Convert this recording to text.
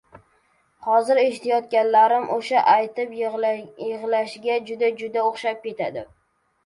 Hozir eshitayotganim… o‘sha aytib yig‘lashga juda-juda o‘xshab ketdi!